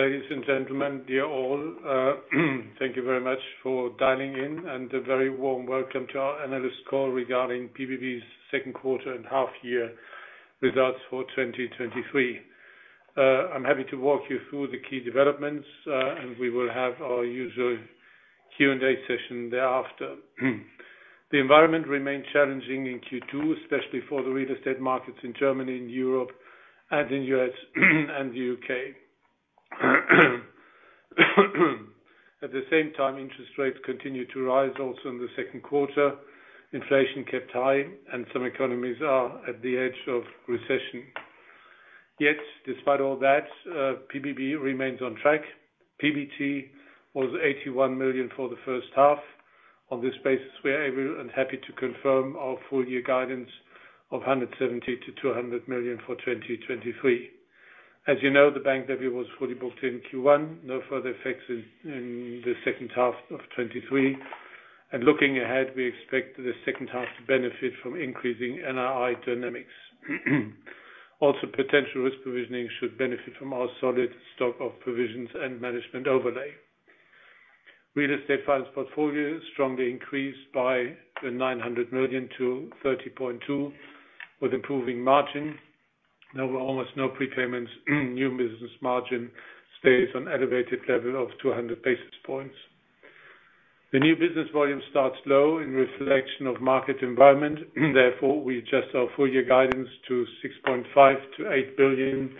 Ladies and gentlemen, dear all, thank you very much for dialing in, and a very warm welcome to our Analyst Call regarding PBB's Second Quarter and Half Year Results for 2023. I'm happy to walk you through the key developments, and we will have our usual Q&A session thereafter. The environment remained challenging in Q2, especially for the real estate markets in Germany and Europe, and in U.S. and the U.K. At the same time, interest rates continued to rise also in the second quarter, inflation kept high, and some economies are at the edge of recession. Despite all that, PBB remains on track. PBT was 81 million for the first half. On this basis, we are able and happy to confirm our full-year guidance of 170 million to 200 million for 2023. As you know, the bank debut was fully booked in Q1. No further effects in the second half of 2023, and looking ahead, we expect the second half to benefit from increasing NII dynamics. Also, potential risk provisioning should benefit from our solid stock of provisions and management overlay. Real estate files portfolios strongly increased by 900 million to 30.2 billion, with improving margin. There were almost no prepayments. New business margin stays on elevated level of 200 basis points. The new business volume starts low in reflection of market environment, therefore, we adjust our full year guidance to 6.5 billion-8 billion.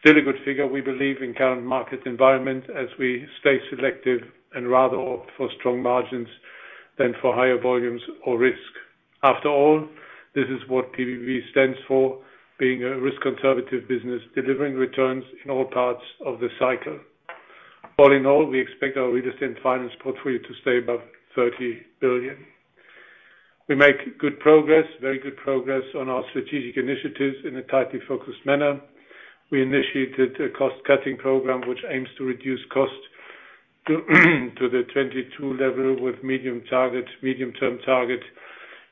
Still a good figure, we believe, in current market environment as we stay selective and rather opt for strong margins than for higher volumes or risk. After all, this is what PBB stands for, being a risk conservative business, delivering returns in all parts of the cycle. All in all, we expect our real estate finance portfolio to stay above 30 billion. We make good progress, very good progress on our strategic initiatives in a tightly focused manner. We initiated a cost-cutting program, which aims to reduce cost to the 2022 level, with medium-term target,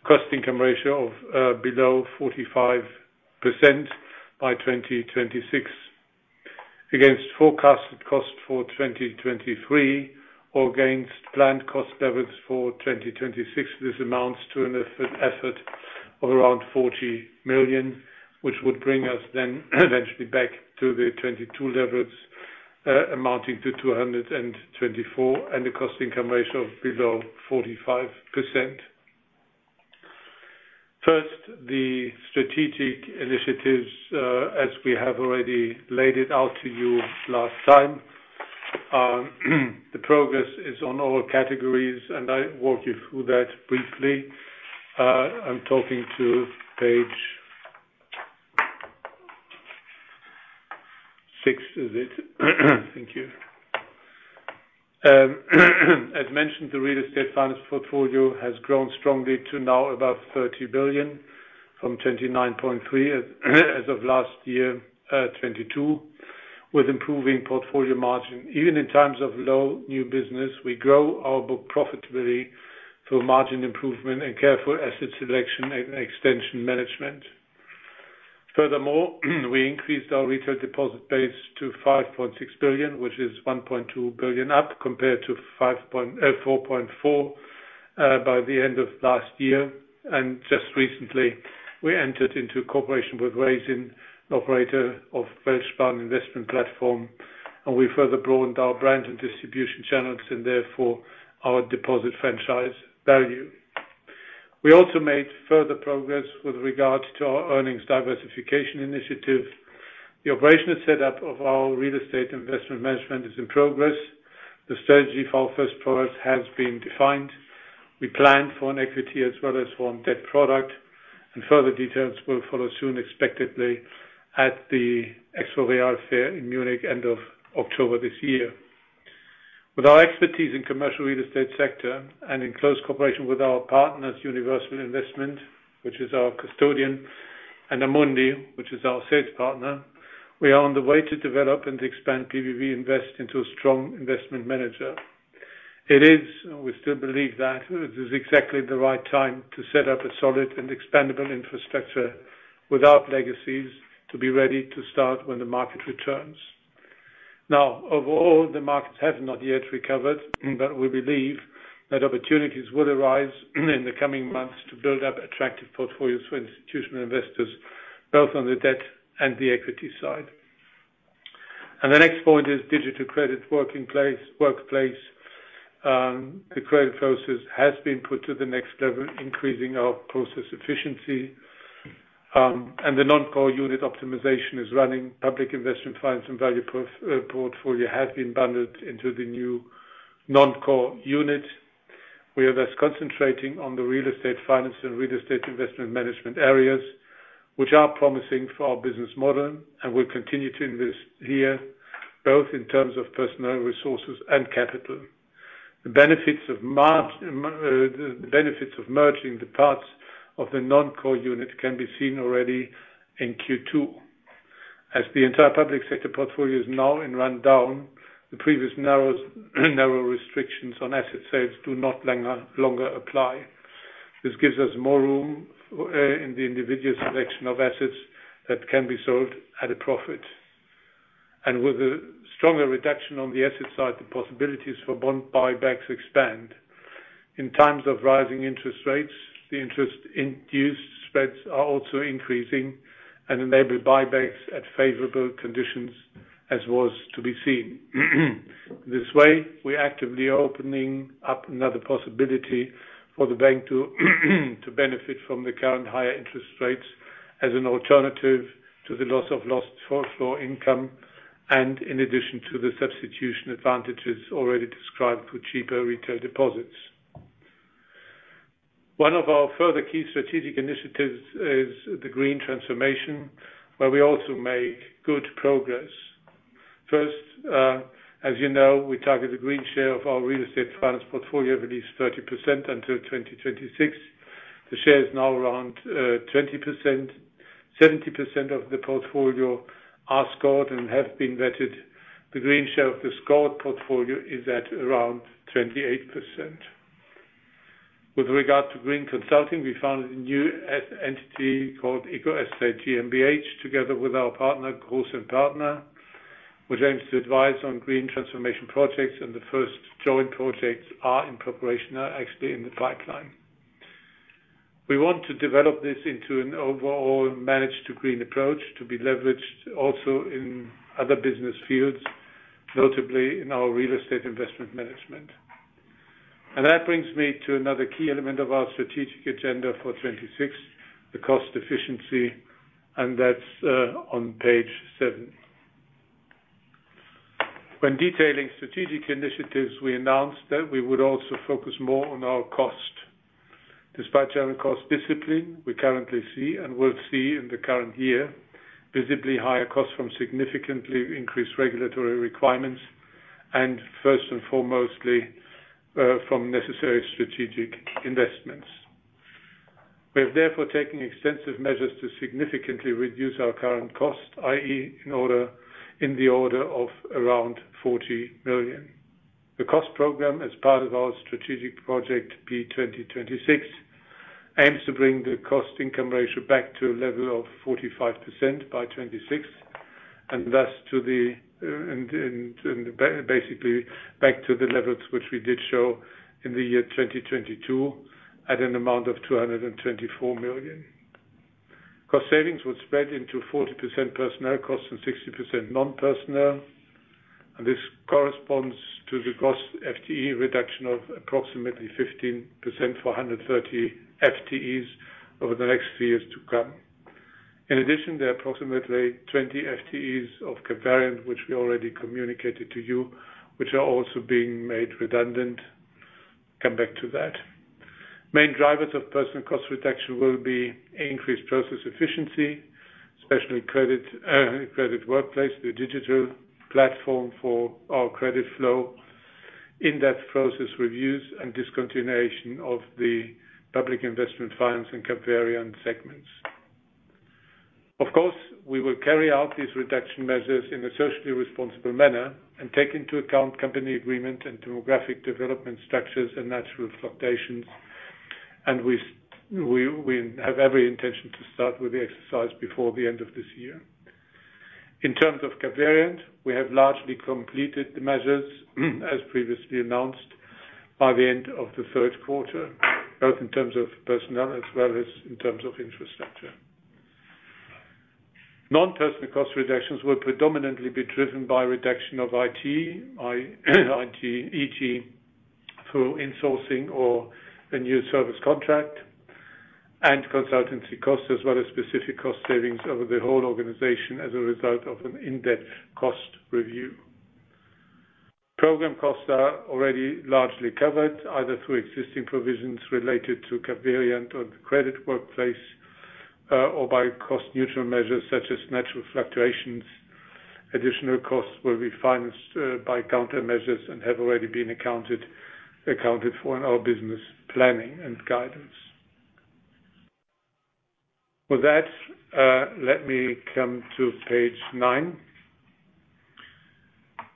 cost income ratio of below 45% by 2026. Against forecasted cost for 2023 or against planned cost levels for 2026, this amounts to an effort of around 40 million, which would bring us then eventually back to the 2022 levels, amounting to 224 million, and a cost income ratio of below 45%. First, the strategic initiatives, as we have already laid it out to you last time. The progress is on all categories, and I'll walk you through that briefly. I'm talking to page six, is it? Thank you. As mentioned, the real estate finance portfolio has grown strongly to now about 30 billion from 29.3 billion, as of last year, 2022, with improving portfolio margin. Even in times of low new business, we grow our book profitably through margin improvement and careful asset selection and extension management. Furthermore, we increased our retail deposit base to 5.6 billion, which is 1.2 billion up compared to 4.4 billion by the end of last year. Just recently, we entered into a cooperation with Raisin, an operator of WeltSparen Investment platform, and we further broadened our brand and distribution channels, and therefore our deposit franchise value. We also made further progress with regard to our earnings diversification initiative. The operational setup of our real estate investment management is in progress. The strategy for our first product has been defined. We plan for an equity as well as a debt product. Further details will follow soon, expectedly, at the EXPO REAL in Munich, end of October this year. With our expertise in commercial real estate sector and in close cooperation with our partners, Universal Investment, which is our custodian, and Amundi, which is our sales partner, we are on the way to develop and expand PBB INVEST into a strong investment manager. We still believe that it is exactly the right time to set up a solid and expandable infrastructure without legacies to be ready to start when the market returns. Overall, the markets have not yet recovered, but we believe that opportunities will arise in the coming months to build up attractive portfolios for institutional investors, both on the debt and the equity side. The next point is Digital Credit Workplace. The credit process has been put to the next level, increasing our process efficiency, and the non-core unit optimization is running. Public Investment Finance and Value Portfolio have been bundled into the new non-core unit. We are thus concentrating on the real estate finance and real estate investment management areas, which are promising for our business model, and we'll continue to invest here, both in terms of personnel, resources and capital. The benefits of merging the parts of the non-core unit can be seen already in Q2. As the entire public sector portfolio is now in rundown, the previous narrow restrictions on asset sales do not longer apply. This gives us more room in the individual selection of assets that can be sold at a profit. With a stronger reduction on the asset side, the possibilities for bond buybacks expand. In times of rising interest rates, the interest-induced spreads are also increasing and enable buybacks at favorable conditions, as was to be seen. This way, we actively are opening up another possibility for the bank to benefit from the current higher interest rates as an alternative to the loss of floor income, and in addition to the substitution advantages already described through cheaper retail deposits. One of our further key strategic initiatives is the green transformation, where we also make good progress. First, as you know, we target the green share of our real estate finance portfolio of at least 30% until 2026. The share is now around 20%. 70% of the portfolio are scored and have been vetted. The green share of the scored portfolio is at around 28%. With regard to green consulting, we founded a new entity called Eco ESG GmbH, together with our partner, Groß & Partner, which aims to advise on green transformation projects, and the first joint projects are in preparation, are actually in the pipeline. We want to develop this into an overall managed to green approach, to be leveraged also in other business fields, notably in our real estate investment management. That brings me to another key element of our strategic agenda for 2026, the cost efficiency, and that's on page 7. When detailing strategic initiatives, we announced that we would also focus more on our cost. Despite general cost discipline, we currently see, and will see in the current year, visibly higher costs from significantly increased regulatory requirements, and first and foremostly, from necessary strategic investments. We have therefore taken extensive measures to significantly reduce our current cost, i.e., in the order of around 40 million. The cost program, as part of our strategic project P2026, aims to bring the cost income ratio back to a level of 45% by 2026, and thus to the, and basically back to the levels which we did show in the year 2022 at an amount of 224 million. Cost savings would spread into 40% personnel costs and 60% non-personnel, and this corresponds to the cost FTE reduction of approximately 15% for 130 FTEs over the next few years to come. In addition, there are approximately 20 FTEs of Capveriant, which we already communicated to you, which are also being made redundant. Come back to that. Main drivers of personal cost reduction will be increased process efficiency, especially credit, credit workspace, the digital platform for our credit flow, in-depth process reviews, and discontinuation of the public investment funds and Capveriant segments. Of course, we will carry out these reduction measures in a socially responsible manner and take into account company agreement and demographic development structures and natural fluctuations. We have every intention to start with the exercise before the end of this year. In terms of Capveriant, we have largely completed the measures, as previously announced, by the end of the third quarter, both in terms of personnel as well as in terms of infrastructure. Non-personnel cost reductions will predominantly be driven by reduction of IT, e.g., through insourcing or a new service contract and consultancy costs, as well as specific cost savings over the whole organization as a result of an in-depth cost review. Program costs are already largely covered, either through existing provisions related to Capveriant or the credit workplace, or by cost-neutral measures such as natural fluctuations. Additional costs will be financed by countermeasures and have already been accounted for in our business planning and guidance. With that, let me come to page nine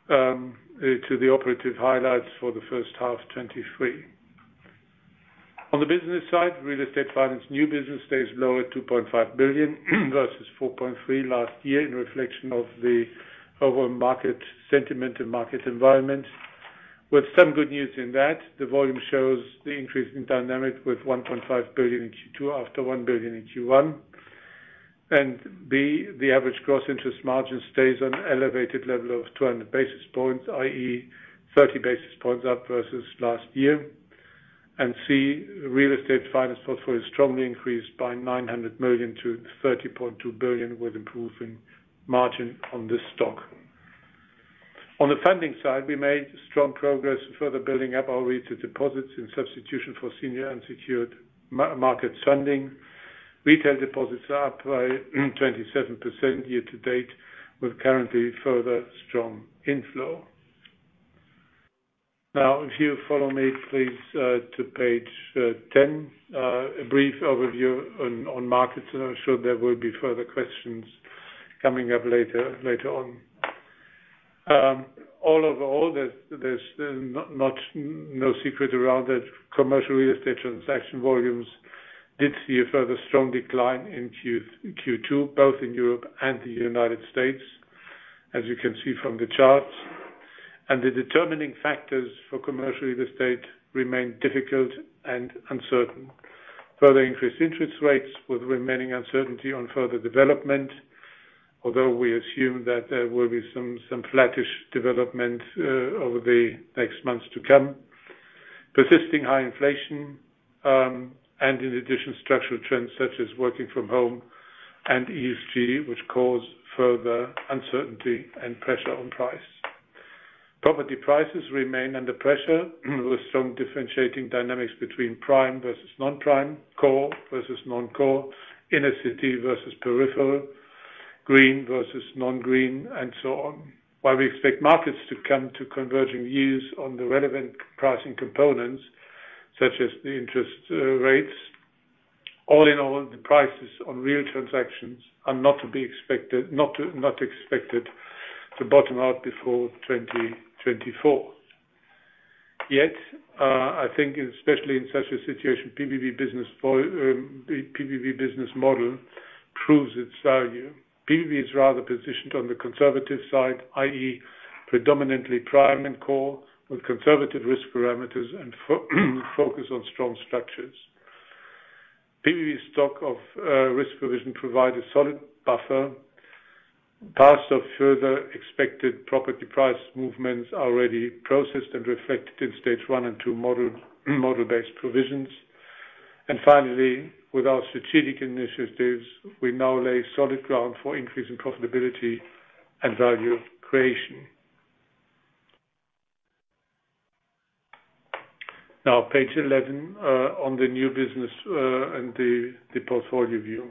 to the operative highlights for the first half 2023. On the business side, real estate finance new business stays low at 2.5 billion, versus 4.3 billion last year, in reflection of the overall market sentiment and market environment. With some good news in that, the volume shows the increase in dynamic with 1.5 billion in Q2, after 1 billion in Q1. B, the average gross interest margin stays on elevated level of 200 basis points, i.e., 30 basis points up versus last year. C, real estate finance portfolio strongly increased by 900 million to 30.2 billion, with improvement margin on this stock. On the funding side, we made strong progress in further building up our retail deposits in substitution for senior unsecured market funding. Retail deposits are up by 27% year to date, with currently further strong inflow. Now, if you follow me, please, to page 10. A brief overview on markets, I'm sure there will be further questions coming up later on. Overall, there's, there's not, no secret around it. Commercial real estate transaction volumes did see a further strong decline in Q2, both in Europe and the United States, as you can see from the charts. The determining factors for commercial real estate remain difficult and uncertain. Further increased interest rates with remaining uncertainty on further development, although we assume that there will be some flattish development over the next months to come. Persisting high inflation, in addition, structural trends such as working from home and ESG, which cause further uncertainty and pressure on price. Property prices remain under pressure, with some differentiating dynamics between prime versus non-prime, core versus non-core, inner city versus peripheral, green versus non-green, and so on. While we expect markets to come to converging views on the relevant pricing components, such as the interest rates, all in all, the prices on real transactions are not to be expected, not expected to bottom out before 2024. Yet, I think, especially in such a situation, PBB business for PBB business model proves its value. PBB is rather positioned on the conservative side, i.e., predominantly prime and core, with conservative risk parameters and focus on strong structures. PBB stock of risk provision provide a solid buffer. Parts of further expected property price movements are already processed and reflected in Stage 1 and 2 model-based provisions. Finally, with our strategic initiatives, we now lay solid ground for increasing profitability and value creation. Page 11 on the new business and the portfolio view.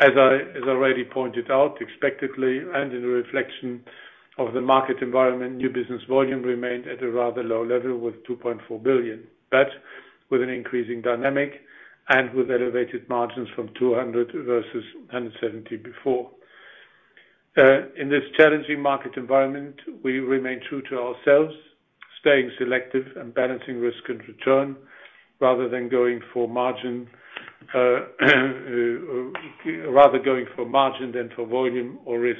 As already pointed out, expectedly and in a reflection of the market environment, new business volume remained at a rather low level with 2.4 billion, but with an increasing dynamic and with elevated margins from 200 versus 170 before. In this challenging market environment, we remain true to ourselves, staying selective and balancing risk and return rather than going for margin, rather going for margin than for volume or risk.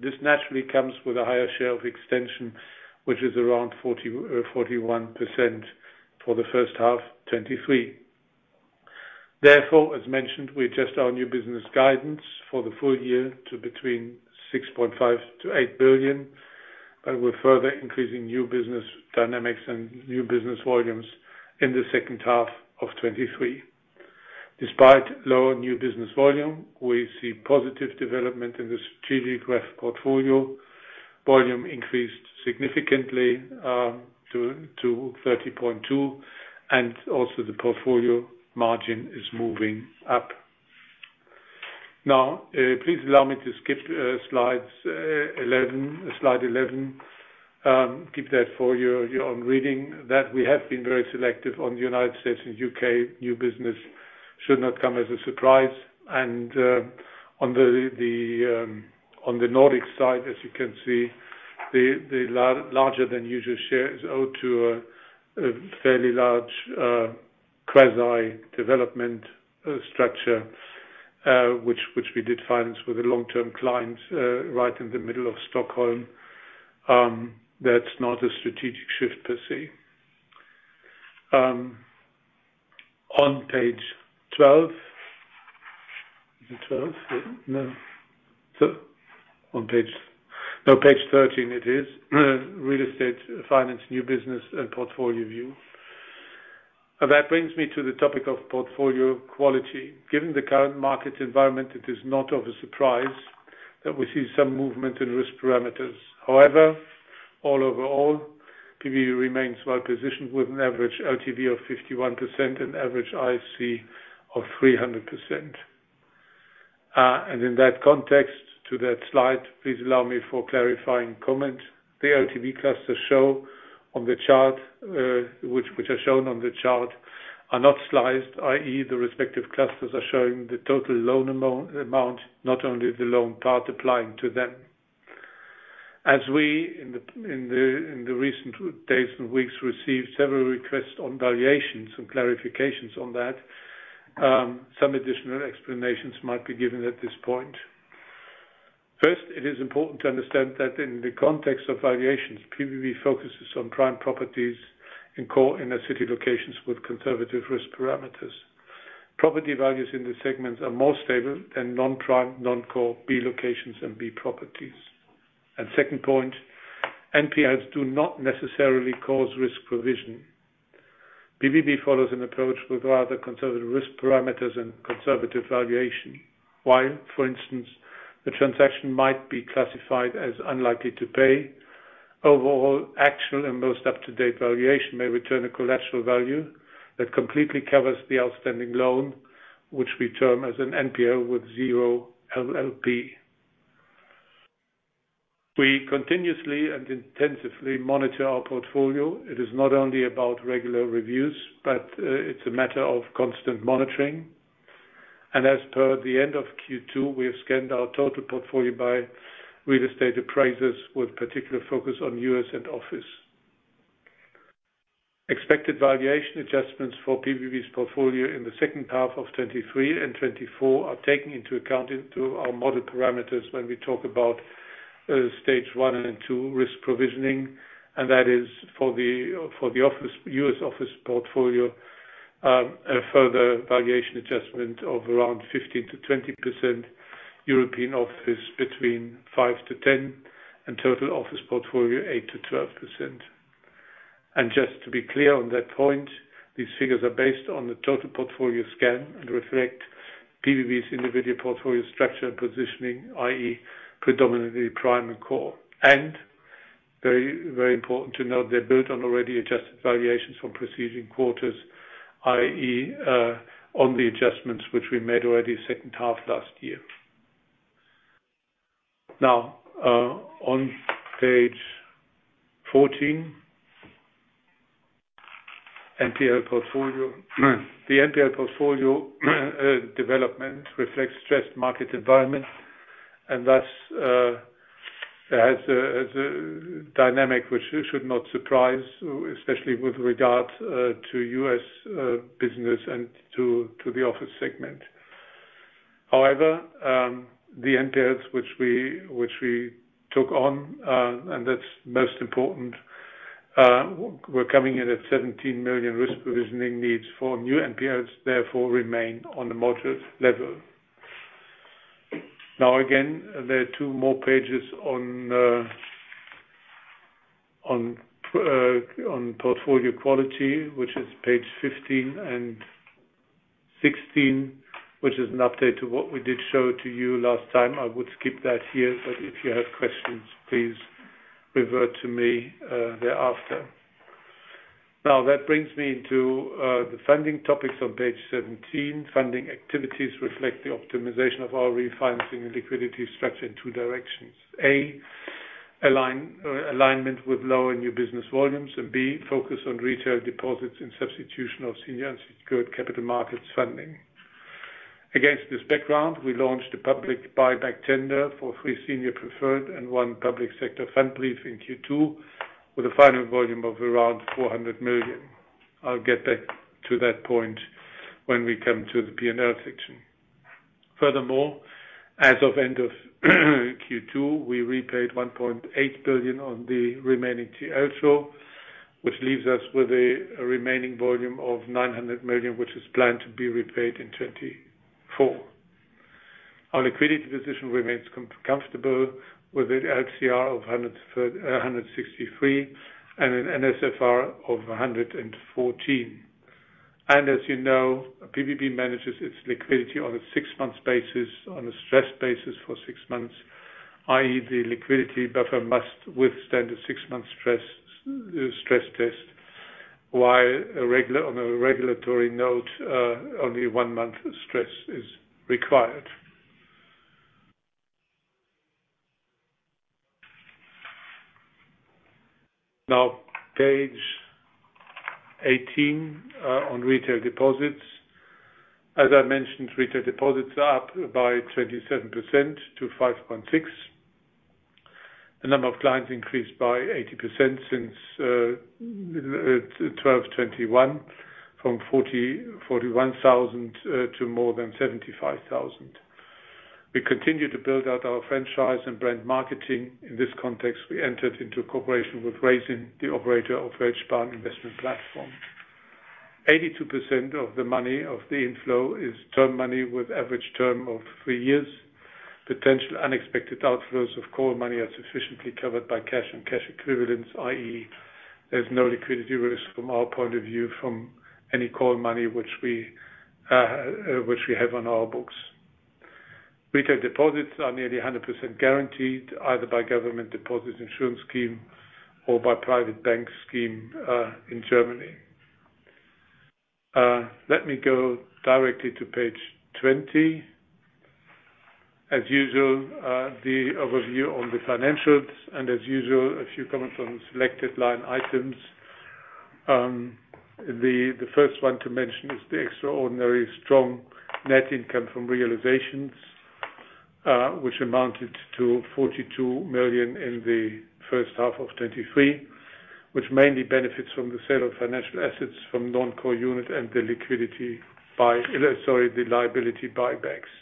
This naturally comes with a higher share of extension, which is around 40%-41% for the first half 2023. Therefore, as mentioned, we adjust our new business guidance for the full year to between 6.5 billion to 8 billion, with further increasing new business dynamics and new business volumes in the second half of 2023. Despite lower new business volume, we see positive development in the strategic graph portfolio. Volume increased significantly to 30.2, and also the portfolio margin is moving up. Now, please allow me to skip slides 11, slide 11. Keep that for your own reading, that we have been very selective on the United States and UK. New business should not come as a surprise. On the Nordic side, as you can see, the larger-than-usual share is owed to a fairly large quasi-development structure, which we did finance with a long-term client right in the middle of Stockholm. That's not a strategic shift per se. On page 12. Is it 12? No. On page 13, it is. Real estate finance, new business, and portfolio view. That brings me to the topic of portfolio quality. Given the current market environment, it is not of a surprise that we see some movement in risk parameters. However, all overall, PBB remains well positioned with an average LTV of 51% and average IC of 300%. In that context to that slide, please allow me for clarifying comment. The LTV clusters show on the chart, which are shown on the chart, are not sliced, i.e., the respective clusters are showing the total loan amount, not only the loan part applying to them. As we, in the recent days and weeks, received several requests on valuations and clarifications on that, some additional explanations might be given at this point. First, it is important to understand that in the context of valuations, PBB focuses on prime properties in core, inner city locations with conservative risk parameters. Property values in this segment are more stable than non-prime, non-core B locations and B properties. Second point, NPIs do not necessarily cause risk provision. PBB follows an approach with rather conservative risk parameters and conservative valuation. While, for instance, the transaction might be classified as unlikely to pay, overall, actual and most up-to-date valuation may return a collateral value that completely covers the outstanding loan, which we term as an NPL with zero LLP. We continuously and intensively monitor our portfolio. It is not only about regular reviews, but it's a matter of constant monitoring. As per the end of Q2, we have scanned our total portfolio by real estate appraisers, with particular focus on U.S. and office. Expected valuation adjustments for PBB's portfolio in the second half of 2023 and 2024 are taken into account into our model parameters when we talk about Stage 1 and 2 risk provisioning, that is for the U.S. office portfolio, a further valuation adjustment of around 15%-20%, European office between 5%-10%, and total office portfolio, 8%-12%. Just to be clear on that point, these figures are based on the total portfolio scan and reflect PBB's individual portfolio structure and positioning, i.e., predominantly prime and core. Very, very important to note, they're built on already adjusted valuations from preceding quarters, i.e., on the adjustments which we made already second half last year. Now, on page 14, NPL portfolio. The NPL portfolio development reflects stressed market environment, and thus, has a dynamic which should not surprise, especially with regard to U.S. business and to the office segment. However, the NPLs which we, which we took on, and that's most important, were coming in at 17 million risk provisioning needs for new NPLs, therefore remain on the module level. Again, there are two more pages on portfolio quality, which is page 15 and 16, which is an update to what we did show to you last time. I would skip that here, but if you have questions, please revert to me thereafter. That brings me to the funding topics on page 17. Funding activities reflect the optimization of our refinancing and liquidity structure in two directions: A, alignment with lower new business volumes, and B, focus on retail deposits and substitution of senior unsecured capital markets funding. Against this background, we launched a public buyback tender for three senior preferred and 1 Public Sector Pfandbrief in Q2, with a final volume of around 400 million. I'll get back to that point when we come to the P&L section. Furthermore, as of end of Q2, we repaid 1.8 billion on the remaining TLTRO, which leaves us with a remaining volume of 900 million, which is planned to be repaid in 2024. Our liquidity position remains comfortable, with an LCR of 163, and an NSFR of 114. As you know, PBB manages its liquidity on a six-month basis, on a stressed basis for 6 months, i.e., the liquidity buffer must withstand a six-month stress test, while on a regulatory note, only one-month stress is required. Page 18 on retail deposits. As I mentioned, retail deposits are up by 27% to 5.6. The number of clients increased by 80% since 12/2021, from 41,000 to more than 75,000. We continue to build out our franchise and brand marketing. In this context, we entered into a cooperation with Raisin, the operator of WeltSparen investment platform. 82% of the money of the inflow is term money with average term of 3 years. Potential unexpected outflows of call money are sufficiently covered by cash and cash equivalents, i.e., there's no liquidity risk from our point of view from any call money which we have on our books. Retail deposits are nearly 100% guaranteed, either by government deposit insurance scheme or by private bank scheme in Germany. Let me go directly to page 20. As usual, the overview on the financials, and as usual, a few comments on selected line items. The first one to mention is the extraordinary strong net income from realizations, which amounted to 42 million in the first half of 2023, which mainly benefits from the sale of financial assets from non-core unit and the liability buybacks.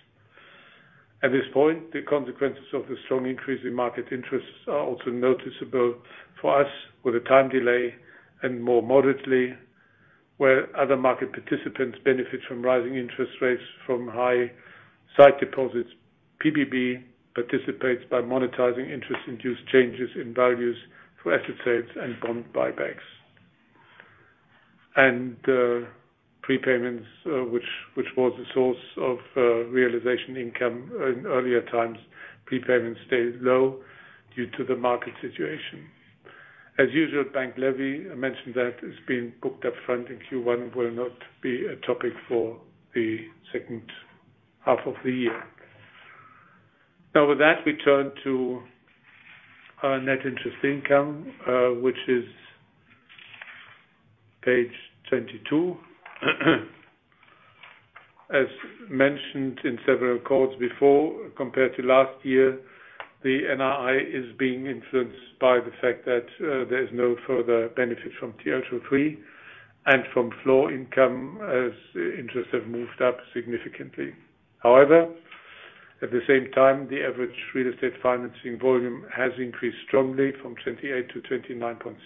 At this point, the consequences of the strong increase in market interests are also noticeable for us with a time delay and more moderately, where other market participants benefit from rising interest rates from high side deposits. PBB participates by monetizing interest-induced changes in values through asset sales and bond buybacks. Prepayments, which was a source of realization income in earlier times, prepayments stayed low due to the market situation. As usual, bank levy, I mentioned that it's been booked upfront in Q1, will not be a topic for the second half of the year. Now with that, we turn to our net interest income, which is page 22. As mentioned in several calls before, compared to last year, the NII is being influenced by the fact that there is no further benefit from TLTRO 2, 3, and from floor income as interests have moved up significantly. However, at the same time, the average real estate financing volume has increased strongly from 28% to 29.6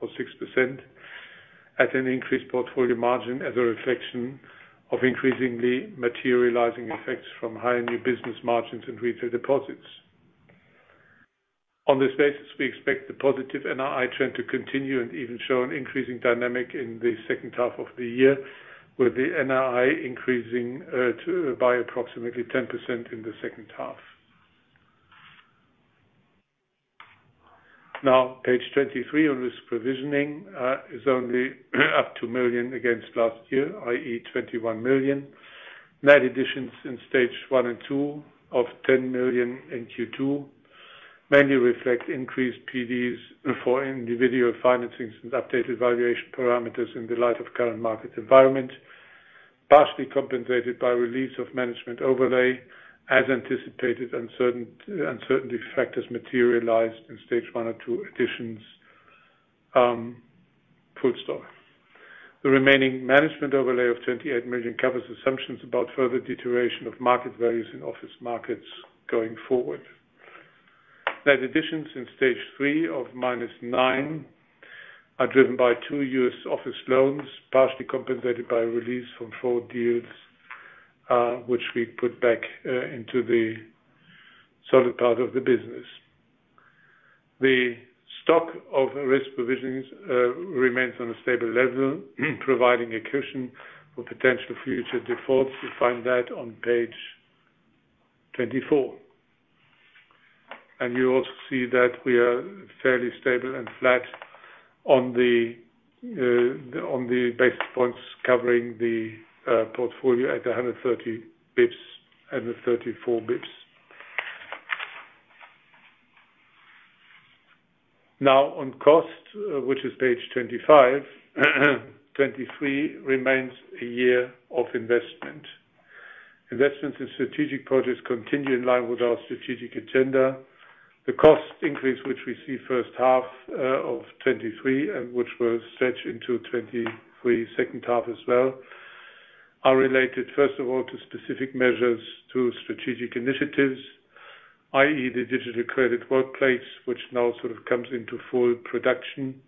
or 6%, at an increased portfolio margin as a reflection of increasingly materializing effects from higher new business margins and retail deposits. On this basis, we expect the positive NII trend to continue and even show an increasing dynamic in the second half of the year, with the NII increasing by approximately 10% in the second half. Now, page 23 on risk provisioning is only up to million against last year, i.e., 21 million. Net additions in Stage 1 and Stage 2 of 10 million in Q2, mainly reflect increased PDs for individual financings and updated valuation parameters in the light of current market environment, partially compensated by release of management overlay, as anticipated and uncertainty factors materialized in Stage 1 or Stage 2 additions, full stop. The remaining management overlay of 28 million covers assumptions about further deterioration of market values in office markets going forward. Net additions in Stage 3 of -9 million are driven by 2 US office loans, partially compensated by a release from 4 deals, which we put back into the solid part of the business. The stock of risk provisions remains on a stable level, providing a cushion for potential future defaults. You find that on page 24. You also see that we are fairly stable and flat on the basis points covering the portfolio at 130 basis points and 34 basis points. Now, on cost, which is page 25, 2023 remains a year of investment. Investments in strategic projects continue in line with our strategic agenda. The cost increase, which we see first half of 2023 and which will stretch into 2023 second half as well, are related, first of all, to specific measures to strategic initiatives, i.e., the Digital Credit Workplace, which now sort of comes into full production.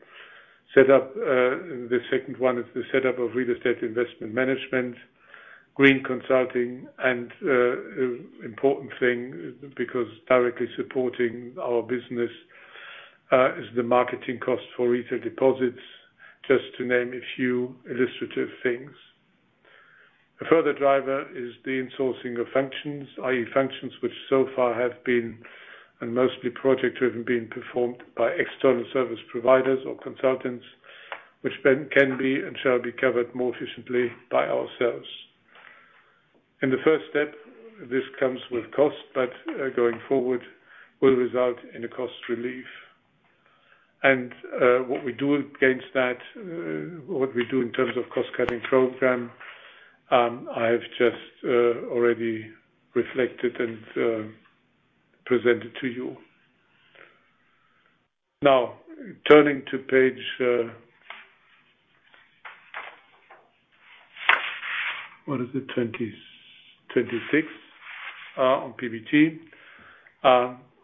Set up, the second one is the set up of real estate investment management, green consulting, and important thing, because directly supporting our business, is the marketing cost for retail deposits, just to name a few illustrative things. A further driver is the insourcing of functions, i.e., functions which so far have been, and mostly project-driven, been performed by external service providers or consultants, which then can be and shall be covered more efficiently by ourselves. In the first step, this comes with cost, but, going forward, will result in a cost relief. What we do against that, what we do in terms of cost-cutting program, I have just already reflected and presented to you. Now, turning to page, what is it? 26 on PBT.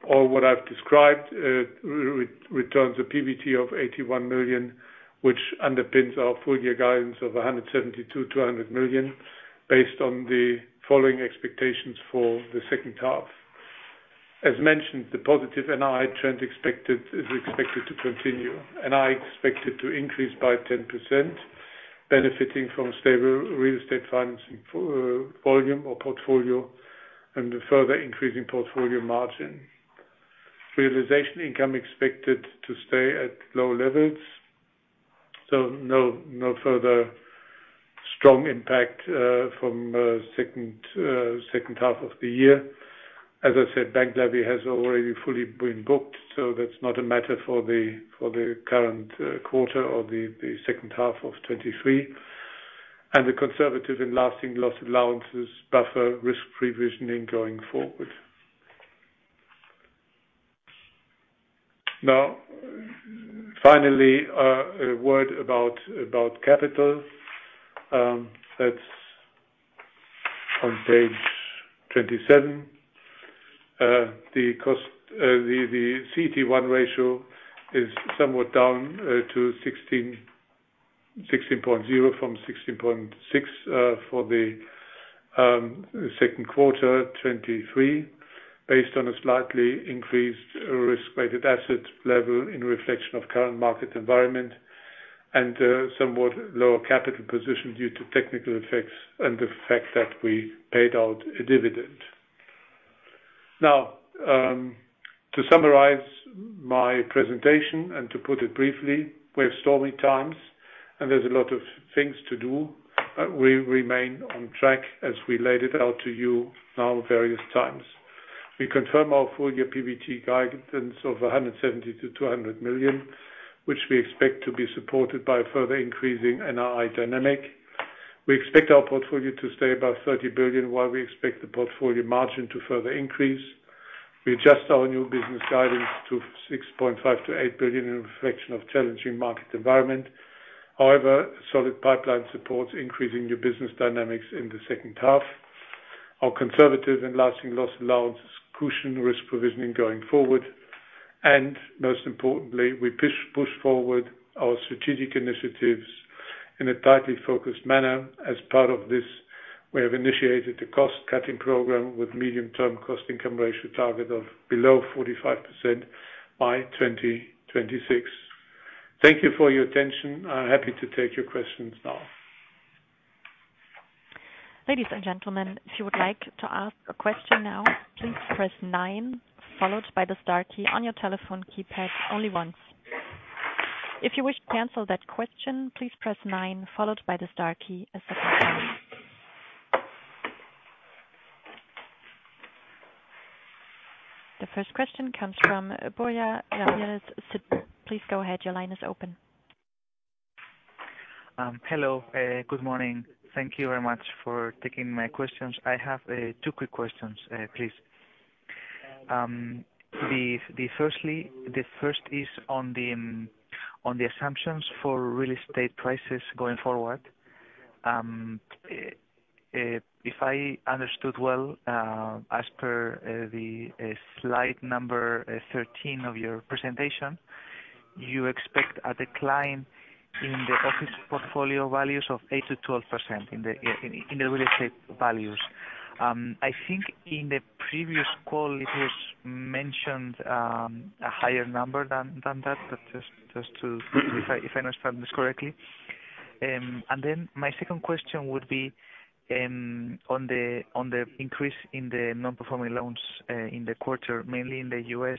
What I've described, re-returns a PBT of 81 million, which underpins our full year guidance of 172 million to 100 million, based on the following expectations for the second half. As mentioned, the positive NII trend expected, is expected to continue, and I expect it to increase by 10%, benefiting from stable real estate financing for volume or portfolio, and a further increase in portfolio margin. Realization income expected to stay at low levels, so no, no further strong impact from second half of the year. As I said, bank levy has already fully been booked, so that's not a matter for the current quarter or the second half of 2023. The conservative and lasting loss allowances buffer risk provisioning going forward. Now, finally, a word about capital. That's on page 27. The cost, the CET1 ratio is somewhat down to 16.0 from 16.6 for the second quarter, 2023, based on a slightly increased risk-weighted asset level in reflection of current market environment and somewhat lower capital position due to technical effects and the fact that we paid out a dividend. Now, to summarize my presentation and to put it briefly, we have stormy times, and there's a lot of things to do, but we remain on track as we laid it out to you now various times. We confirm our full year PBT guidance of 170 million to 200 million, which we expect to be supported by further increasing NII dynamic. We expect our portfolio to stay above 30 billion, while we expect the portfolio margin to further increase. We adjust our new business guidance to 6.5 billion to 8 billion in reflection of challenging market environment. Solid pipeline supports increasing new business dynamics in the second half. Our conservative and lasting loss allows cushioned risk provisioning going forward, and most importantly, we push, push forward our strategic initiatives in a tightly focused manner. As part of this, we have initiated a cost-cutting program with medium-term cost-income ratio target of below 45% by 2026. Thank you for your attention. I'm happy to take your questions now. Ladies and gentlemen, if you would like to ask a question now, please press nine followed by the star key on your telephone keypad only once. If you wish to cancel that question, please press nine followed by the star key a second time. The first question comes from Borja Ramirez. Please go ahead. Your line is open. Hello, good morning. Thank you very much for taking my questions. I have two quick questions, please. The first is on the assumptions for real estate prices going forward. If I understood well, as per slide number 13 of your presentation, you expect a decline in the office portfolio values of 8%-12% in the real estate values. I think in the previous call, it was mentioned a higher number than that, but if I understand this correctly. My second question would be on the increase in the non-performing loans in the quarter, mainly in the U.S.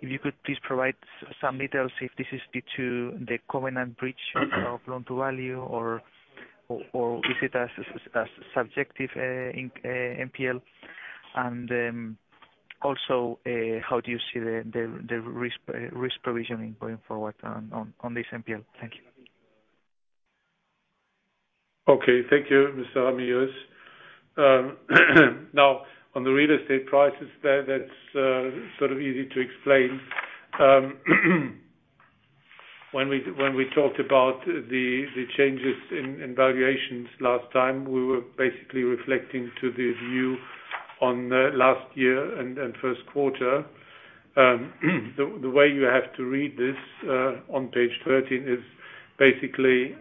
If you could please provide some details, if this is due to the covenant bridge of loan-to-value or is it as subjective, in NPL? Also, how do you see the risk provisioning going forward on this NPL? Thank you. Okay. Thank you, Mr. Ramirez. Now, on the real estate prices there, that's easy to explain. When we, when we talked about the changes in valuations last time, we were basically reflecting to the view on last year and first quarter. The way you have to read this on page 13 is basically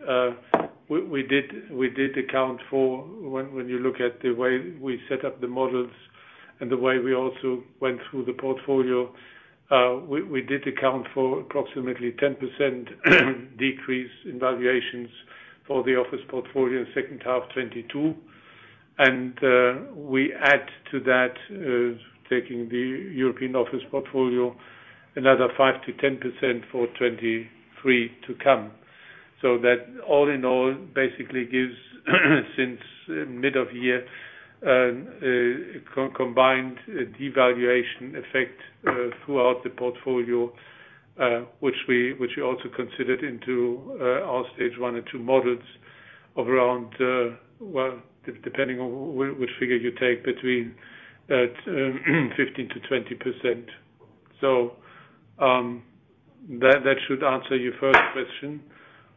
we did account for when, when you look at the way we set up the models and the way we also went through the portfolio, we did account for approximately 10% decrease in valuations for the office portfolio in second half 2022. We add to that, taking the European office portfolio, another 5%-10% for 2023 to come. That all in all, basically gives, since mid of year, a combined devaluation effect throughout the portfolio, which we also considered into our Stage 1 and 2 models of around, well, depending on which figure you take between 15%-20%. That hould answer your first question.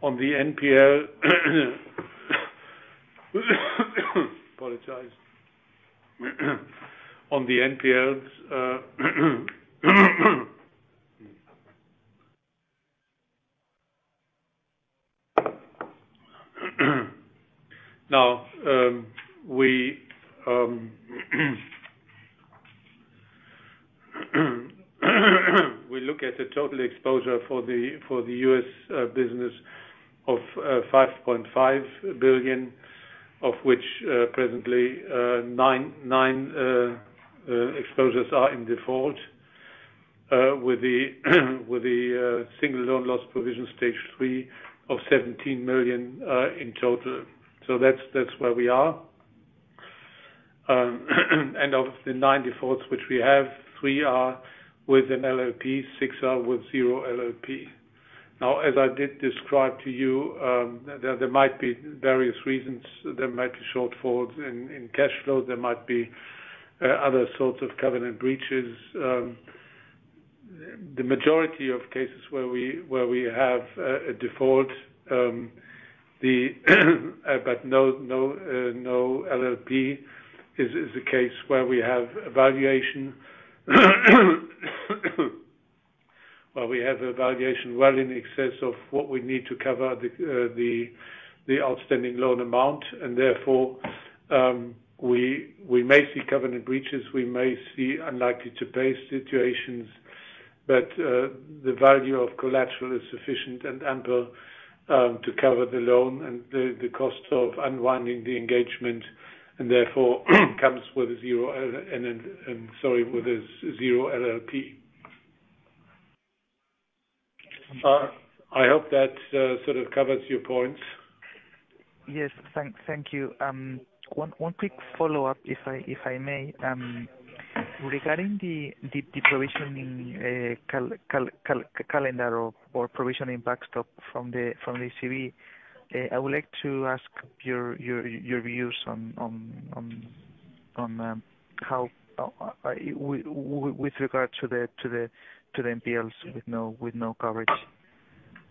On the NPL. Apologize. On the NPLs, now, we look at the total exposure for the U.S. business of $5.5 billion, of which, presently, nine exposures are in default with the single loan loss provision Stage 3 of $17 million in total. That's, that's where we are. And of the nine defaults which we have, three are with an LLP, six are with zero LLP. Now, as I described to you, there might be various reasons. There might be shortfalls in cash flow, there might be other sorts of covenant breaches. The majority of cases where we have a default, but no LLP is a case where we have a valuation. Where we have a valuation well in excess of what we need to cover the outstanding loan amount, and therefore, we may see covenant breaches, we may see unlikely to pay situations. The value of collateral is sufficient and ample to cover the loan and the cost of unwinding the engagement, and therefore comes with a zero and sorry, with a zero LLP. I hope that sort of covers your points. Yes, thank you. One quick follow-up, if I may. Regarding the provisioning calendar or provisioning backstop from the ECB, I would like to ask your views on how with regard to the NPLs with no coverage?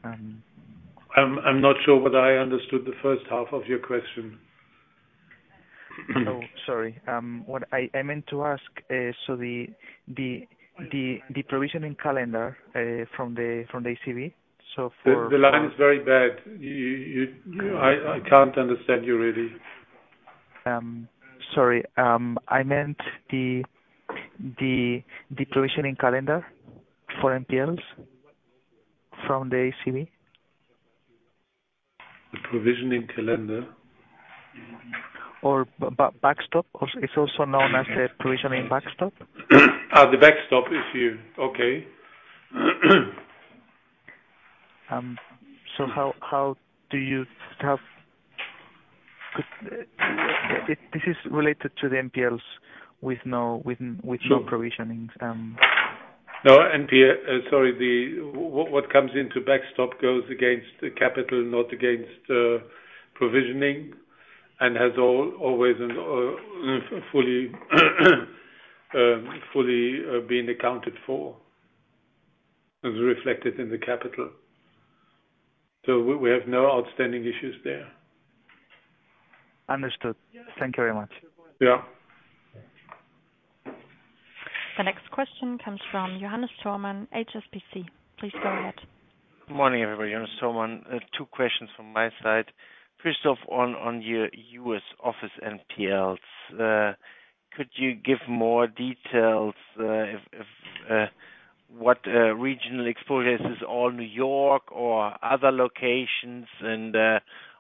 I'm not sure whether I understood the first half of your question. Sorry. I meant the provisioning calendar for NPLs from the ECB. The provisioning calendar? It's also known as the provisioning backstop. The backstop issue. Okay. this is related to the NPLs with no provisioning? No, NPLs, sorry, the what comes into backstop goes against the capital, not against provisioning, and has always fully been accounted for, as reflected in the capital. We have no outstanding issues there. Understood. Thank you very much. The next question comes from Johannes Thormann, HSBC. Please go ahead. Good morning, everybody, Johannes Thormann. Two questions from my side. First off, on your U.S. office NPLs, could you give more details, if what regional exposures is all New York or other locations?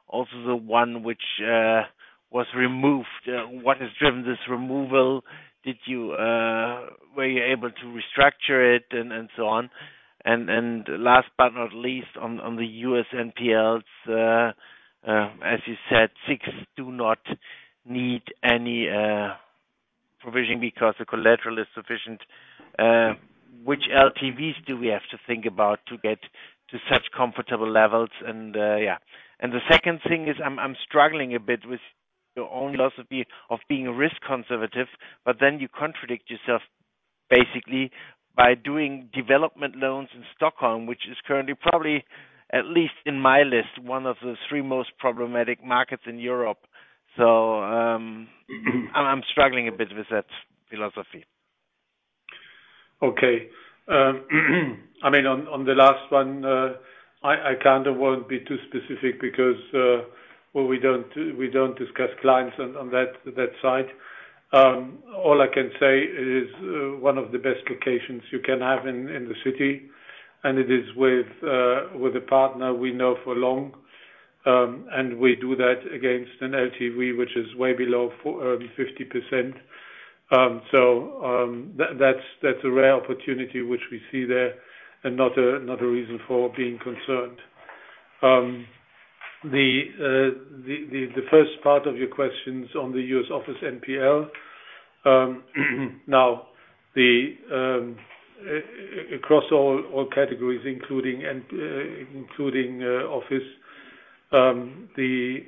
Also the one that was removed, what has driven this removal? Were you able to restructure it, and so on? Last but not least, on the U.S. NPLs, as you said, six do not need any provisioning because the collateral is sufficient. Which LTVs do we have to think about to get to such comfortable levels? The second thing is, I'm struggling a bit with your own philosophy of being risk conservative, but then you contradict yourself basically by doing development loans in Stockholm, which is currently probably, at least in my list, one of the three most problematic markets in Europe. I'm struggling a bit with that philosophy. Okay. I mean, on the last one, I won't be too specific because, well, we don't, we don't discuss clients on that side. All I can say is one of the best locations you can have in the city, and it is with a partner we know for long, and we do that against an LTV, which is way below 50%. That's, that's a rare opportunity which we see there, and not a, not a reason for being concerned. The first part of your questions on the US office NPL. Across all categories, including and including office, the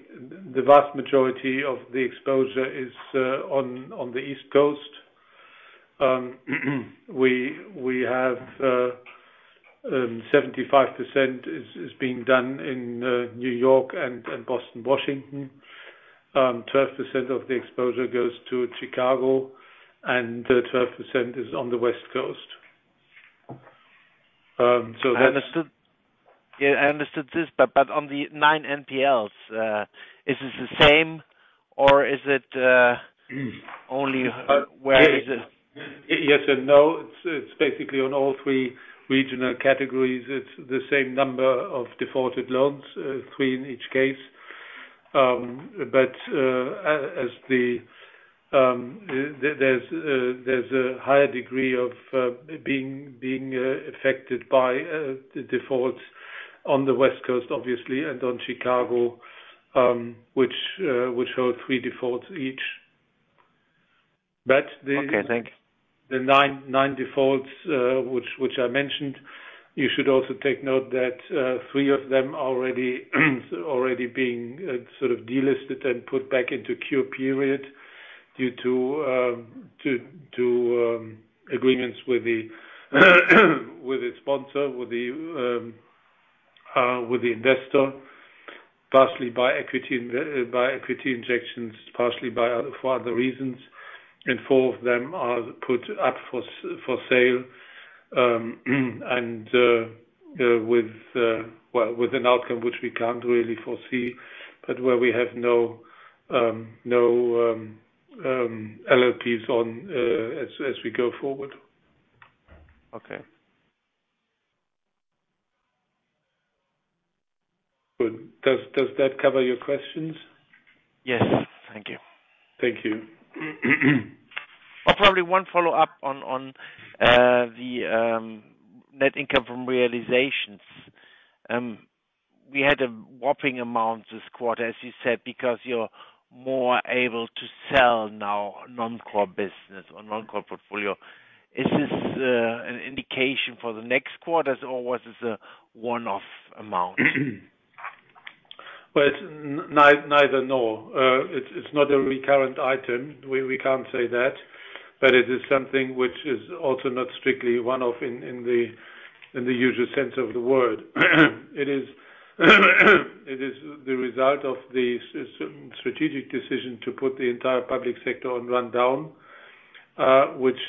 vast majority of the exposure is on the East Coast. We have, 75% is being done in New York and Boston, Washington. 12% of the exposure goes to Chicago, and, 12% is on the West Coast. That's- I understood this, but on the nine NPLs, is it the same or is it, only where is it? Yes and no. It's basically on all three regional categories. It's the same number of defaulted loans, three in each case. There's a higher degree of being affected by the defaults on the West Coast, obviously, and on Chicago, which hold three defaults each. Okay, thank you. The nine defaults, which I mentioned, you should also take note that three of them already being delisted and put back into queue period, due to agreements with the sponsor, with the investor, partially by equity injections, partially for other reasons, and four of them are put up for sale. With an outcome which we can't really foresee, but where we have no LLPs on, as we go forward. Okay. Good. Does, does that cover your questions? Yes. Thank you. Thank you. Oh, probably one follow-up on the net income from realizations. We had a whopping amount this quarter, as you said, because you're more able to sell now non-core business or non-core portfolio. Is this an indication for the next quarters, or was this a one-off amount? Well, it's neither nor. It's not a recurrent item. We can't say that, but it is something which is also not strictly one-off in the usual sense of the word. It is the result of the strategic decision to put the entire public sector on rundown, which,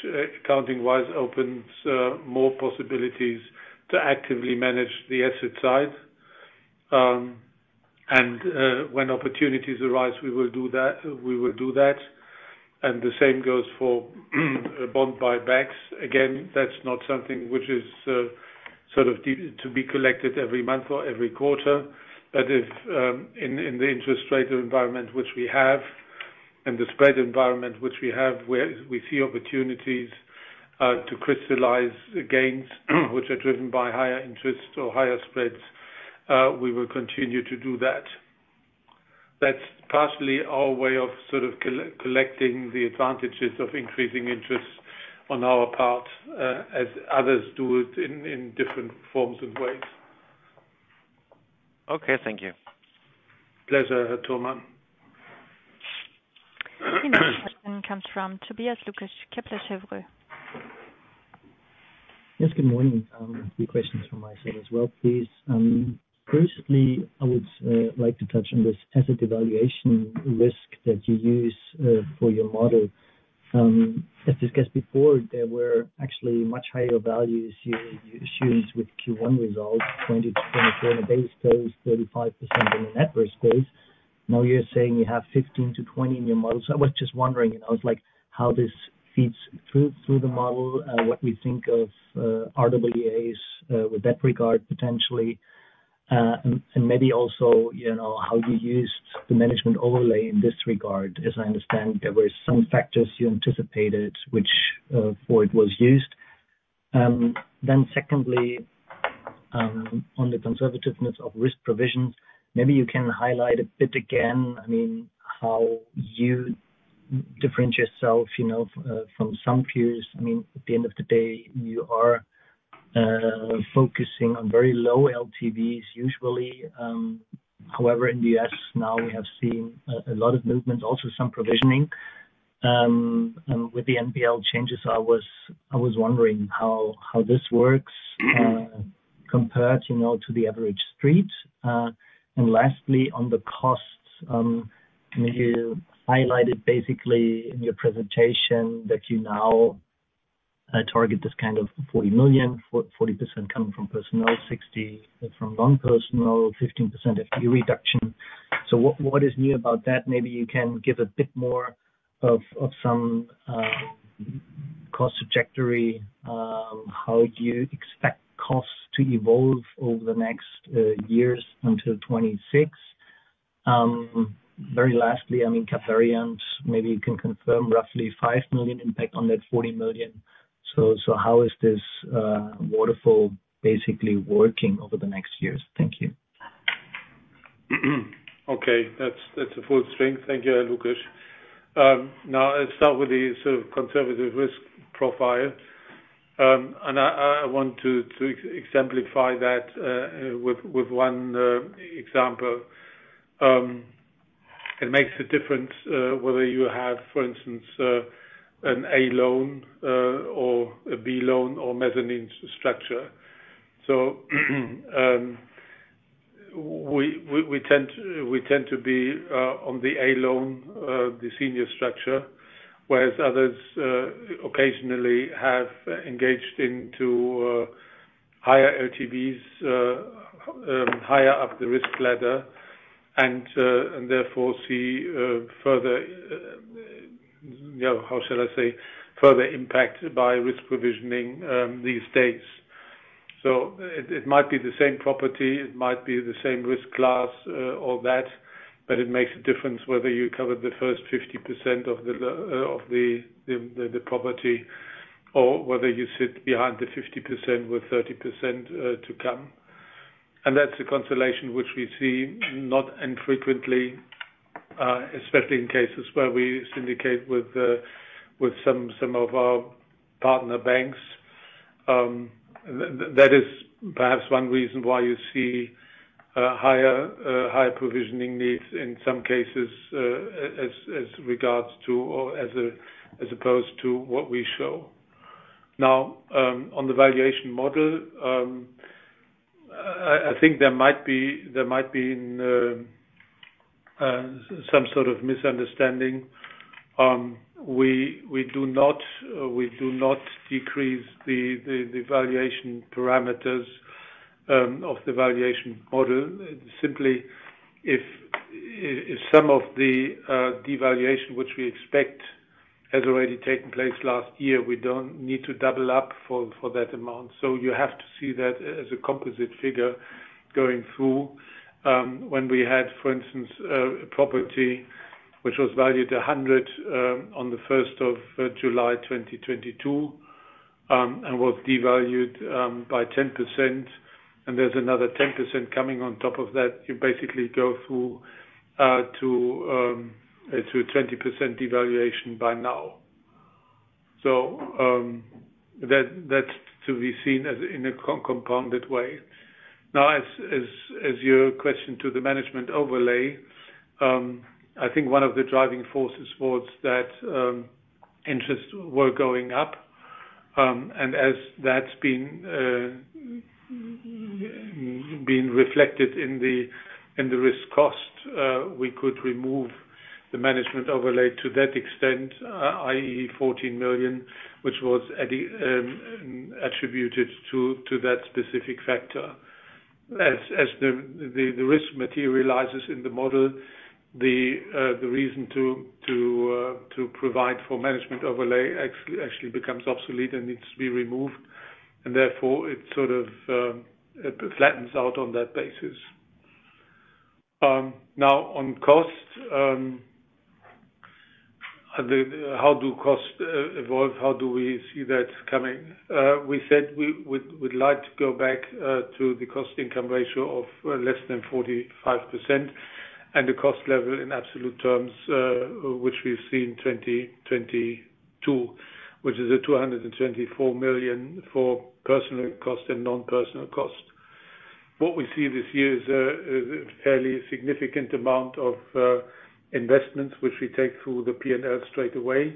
accounting-wise, opens more possibilities to actively manage the asset side. When opportunities arise, we will do that, we will do that, and the same goes for bond buybacks. Again, that's not something which is sort of to be collected every month or every quarter. If, in the interest rate environment which we have, and the spread environment which we have, where we see opportunities to crystallize the gains, which are driven by higher interest or higher spreads, we will continue to do that. That's partially our way of sort of collecting the advantages of increasing interest on our part, as others do it in different forms and ways. Okay, thank you. Pleasure, Thormann. Next question comes from Tobias Lukesch, Kepler Cheuvreux. Yes, good morning. A few questions from my side as well, please. Firstly, I would like to touch on this asset devaluation risk that you use for your model. As discussed before, there were actually much higher values you, you issues with Q1 results, 2024 in a base case, 35% in the Network Space. Now, you're saying you have 15-20 in your model. I was just wondering, you know, like, how this feeds through, through the model, what we think of RWAs with that regard, potentially. Maybe also, you know, how you used the management overlay in this regard, as I understand there were some factors you anticipated which for it was used. Secondly, on the conservativeness of risk provisions, maybe you can highlight a bit again, how you differentiate yourself from some peers. At the end of the day, you are focusing on very low LTVs, usually. In the US now, we have seen a lot of movement, also some provisioning. With the NPL changes, I was wondering how this works, compared to the average street. Lastly, on the costs, maybe you highlighted basically in your presentation that you now target this kind of 40 million, 40% coming from personnel, 60% from non-personnel, 15% FTE reduction. What is new about that? Maybe you can give a bit more of, of some cost trajectory, how you expect costs to evolve over the next years until 2026. Very lastly, I mean, Capveriant, maybe you can confirm roughly 5 million impact on that 40 million. So how is this waterfall basically working over the next years? Thank you. Okay, that's a full strength. Thank you, Lukesch. Now, let's start with the sort of conservative risk profile. I want to exemplify that with one example. It makes a difference whether you have, for instance, an A loan or a B loan or a mezzanine structure. We tend to be on the A loan, the senior structure, whereas others occasionally have engaged into higher LTVs, higher up the risk ladder, and therefore, see further, you know, how shall I say? Further impact by risk provisioning these days. It might be the same property, it might be the same risk class, all that, but it makes a difference whether you cover the first 50% of the property, or whether you sit behind the 50% with 30% to come. That's a consolation which we see not infrequently, especially in cases where we syndicate with some of our partner banks. That is perhaps one reason why you see higher provisioning needs in some cases, as regards to, or as opposed to what we show. Now, on the valuation model, there might be, there might be some sort of misunderstanding. We do not decrease the valuation parameters of the valuation model, simply if some of the devaluation which we expect has already taken place last year, we don't need to double up for that amount. You have to see that as a composite figure going through. When we had, for instance, property which was valued at 100, on the 1st of July, 2022, and was devalued by 10%, and there's another 10% coming on top of that, you basically go through to a 20% devaluation by now. That to be seen as in a compounded way. As your question to the management overlay, I think one of the driving forces towards that, interests were going up, as that's been being reflected in the risk cost, we could remove the management overlay to that extent, i.e., 14 million, which was attributed to that specific factor. As the risk materializes in the model, the reason to provide for management overlay actually becomes obsolete and needs to be removed, therefore it flattens out on that basis. On cost, how do costs evolve? How do we see that coming? We said we would like to go back to the cost income ratio of less than 45%, and the cost level in absolute terms, which we've seen 2022, which is a 224 million for personal cost and non-personal cost. What we see this year is a fairly significant amount of investments which we take through the P&L straight away,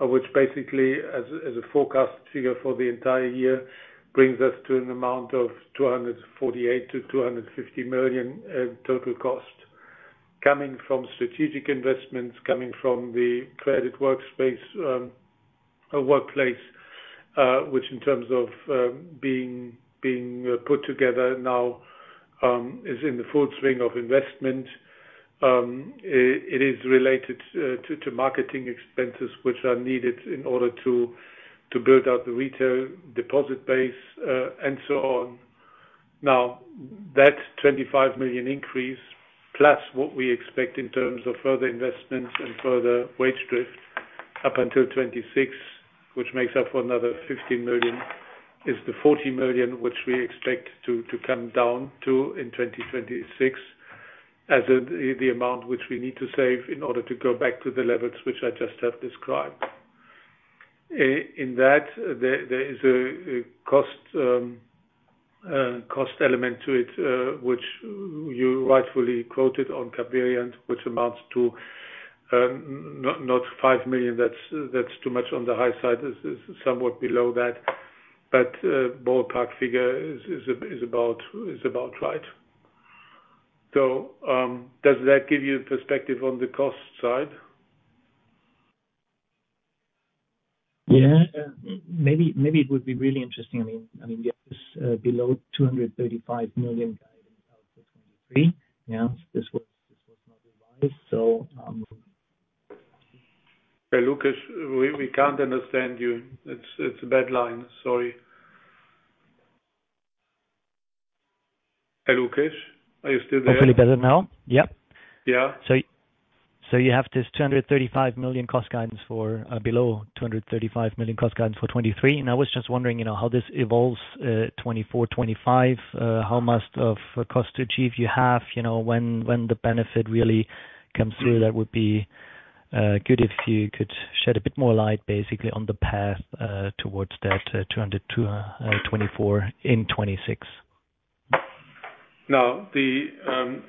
which basically as a forecast figure for the entire year, brings us to an amount of 248 million to 250 million total cost. Coming from strategic investments, coming from the credit workspace, a workplace, which in terms of being, being put together now, is in the full swing of investment. It is related to marketing expenses, which are needed in order to build out the retail deposit base and so on. That 25 million increase, plus what we expect in terms of further investments and further wage drift up until 2026, which makes up for another 15 million, is the 40 million, which we expect to come down to in 2026, as it, the amount which we need to save in order to go back to the levels which I just have described. In that, there is a cost element to it, which you rightfully quoted on Capveriant, which amounts to not 5 million, that's too much on the high side, is somewhat below that. Ballpark figure is about right. Does that give you perspective on the cost side? Maybe it would be really interesting, I mean we have this below 235 million guidance out to 2023. This was, this was not revised, so. Hey, Lukas, we an't understand you. It's a bad line. Sorry. Hey, Lukas, are you still there? Hopefully better now. You have this 235 million cost guidance for, below 235 million cost guidance for 2023. I was just wondering, you know, how this evolves 2024, 2025. How much of a cost to achieve you have, you know, when the benefit really comes through? That would be good if you could shed a bit more light, basically, on the path towards that 200 to 24 in 2026.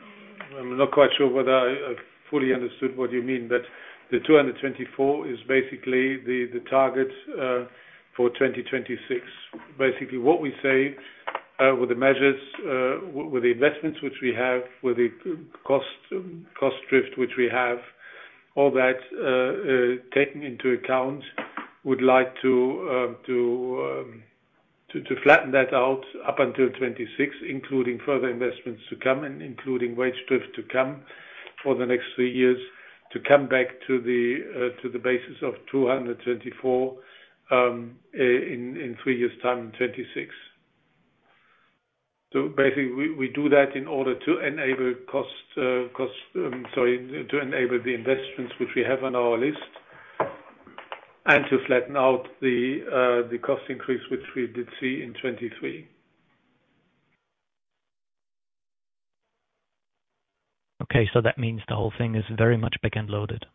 I'm not quite sure whether I have fully understood what you mean, but the 224 is basically the target, for 2026. Basically, what we say, with the measures, with the investments which we have, with the cost, cost drift which we have, all that, taken into account, we'd like to flatten that out up until 2026, including further investments to come, and including wage drift to come for the next 3 years, to come back to the, to the basis of 224, in 3 years' time, in 2026. Basically, we do that in order to enable cost sorry, to enable the investments which we have on our list, and to flatten out the cost increase, which we did see in 2023. Okay, that means the whole thing is very much back-end loaded.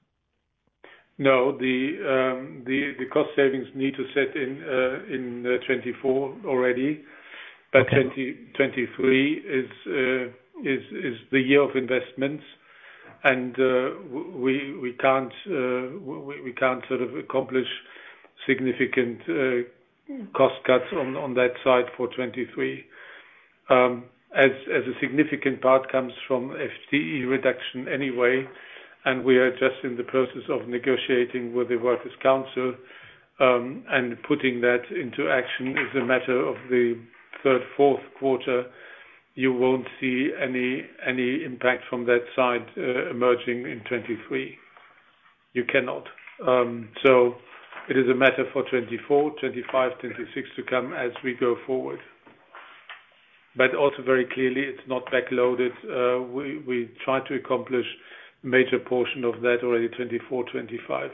No, the cost savings need to set in 2024 already. 2023 is the year of investments, and we can't accomplish significant cost cuts on that side for 2023. As a significant part comes from FTE reduction anyway, and we are just in the process of negotiating with the workers' council. And putting that into action as a matter of the third, fourth quarter, you won't see any impact from that side, emerging in 2023. You cannot. It is a matter for 2024, 2025, 2026 to come as we go forward. Also, very clearly, it's not backloaded. We try to accomplish major portion of that already 2024, 2025.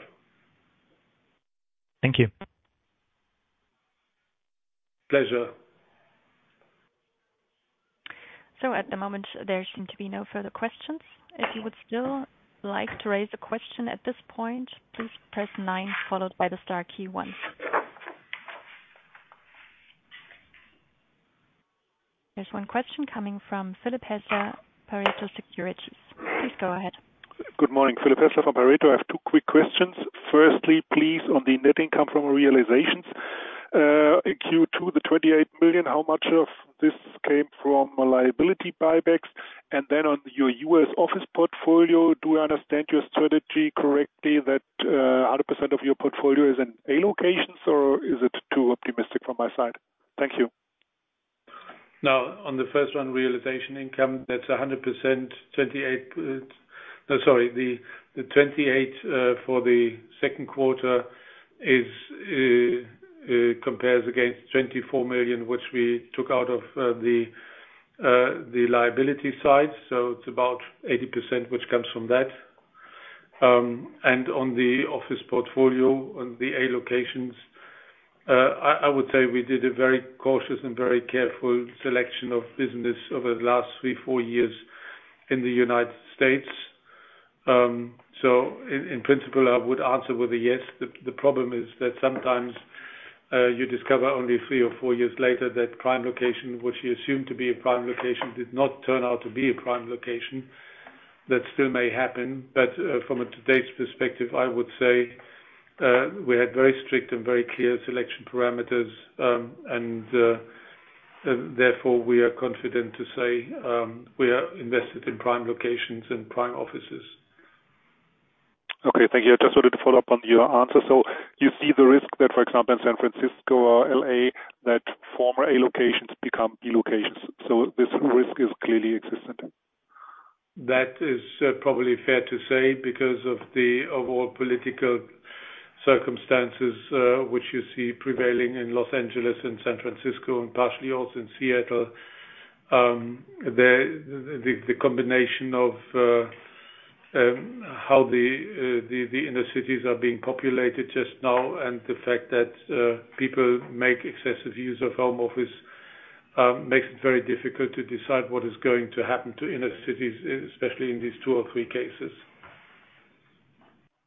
Thank you. Pleasure. At the moment, there seem to be no further questions. If you would still like to raise a question at this point, please press nine, followed by the star key once. There's one question coming from Philip Hessler, Pareto Securities. Please go ahead. Good morning, Philip Hessler from Pareto. I have two quick questions. Firstly, please, on the net income from realizations, in Q2, the 28 million, how much of this came from liability buybacks? Then on your US office portfolio, do I understand your strategy correctly, that 100% of your portfolio is in A locations, or is it too optimistic from my side? Thank you. Now, on the first one, realization income, that's 100%, 28, no, sorry. The 28 for the second quarter compares against 24 million, which we took out of the liability side. It's about 80%, which comes from that. On the office portfolio, on the A locations, I would say we did a very cautious and very careful selection of business over the last 3, 4 years in the United States. In principle, I would answer with a yes. The problem is that sometimes you discover only 3 or 4 years later that prime location, which you assumed to be a prime location, did not turn out to be a prime location. That still may happen, but from a today's perspective, I would say, we had very strict and very clear selection parameters, and therefore, we are confident to say, we are invested in prime locations and prime offices. Okay, thank you. I just wanted to follow up on your answer. You see the risk that, for example, in San Francisco or L.A., that former A locations become B locations, so this risk is clearly existent? That is probably fair to say, because of the overall political circumstances, which you see prevailing in Los Angeles and San Francisco and partially also in Seattle. The combination of how the inner cities are being populated just now, and the fact that people make excessive use of home office, makes it very difficult to decide what is going to happen to inner cities, especially in these two or three cases.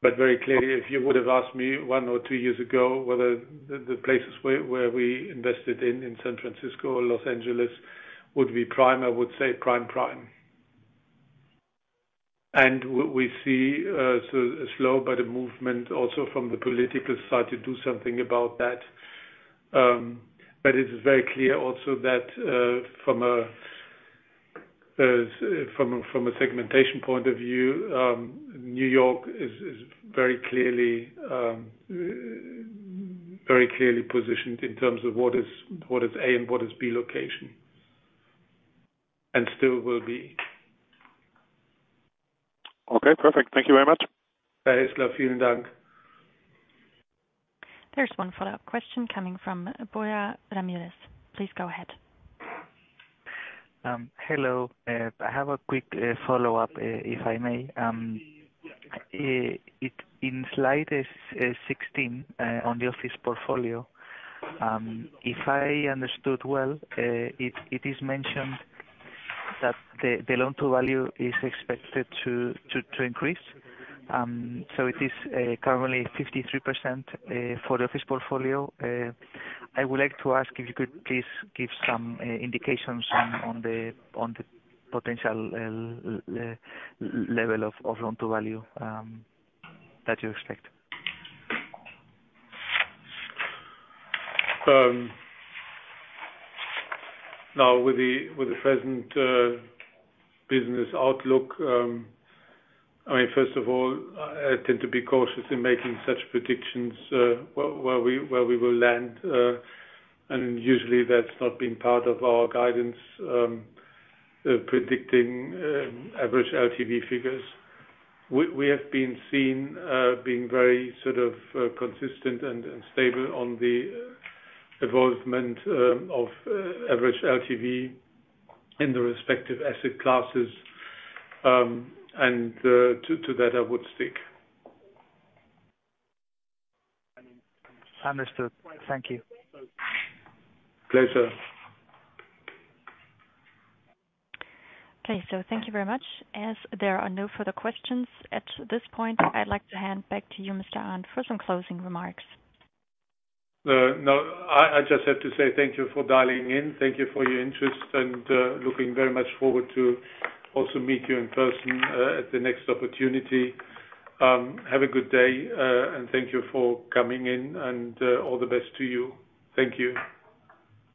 Very clearly, if you would have asked me one or two years ago whether the places where we invested in San Francisco or Los Angeles would be prime, I would say prime, prime. We see slow, but a movement also from the political side to do something about that. It is very clear also that from a from a from a segmentation point of view, New York is is very clearly very clearly positioned in terms of what is what is A and what is B location, and still will be. Okay, perfect. Thank you very much. Hi, Heßler. Vielen Dank! There's one follow-up question coming from Borja Ramirez. Please go ahead. Hello. I have a quick follow-up if I may. It, in slide 16, on the office portfolio, if I understood well, it is mentioned that the loan-to-value is expected to increase. So it is currently 53% for the office portfolio. I would like to ask if you could please give some indications on the potential level of loan-to-value that you expect. Now with the present business outlook, I mean, first of all, I tend to be cautious in making such predictions, where we will land, and usually that's not been part of our guidance, predicting average LTV figures. We have been seen being very consistent and stable on the evolvement of average LTV in the respective asset classes, and to that, I would stick. Understood. Thank you. Pleasure. Okay, thank you very much. As there are no further questions at this point, I'd like to hand back to you, Mr. Arndt, for some closing remarks. No, I just have to say thank you for dialing in. Thank you for your interest, and, looking very much forward to also meet you in person, at the next opportunity. Have a good day, and thank you for coming in, and, all the best to you. Thank you.